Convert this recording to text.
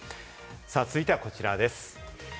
続いてはこちらです。